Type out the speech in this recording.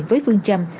với phương chăm